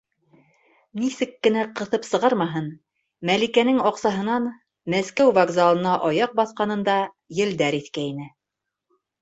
Нисек кенә ҡыҫып сығармаһын, Мәликәнең аҡсаһынан Мәскәү вокзалына аяҡ баҫҡанында елдәр иҫкәйне.